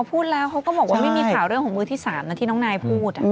พูดแล้วเขาก็บอกว่าไม่มีข่าวเรื่องของมือที่๓นะที่น้องนายพูด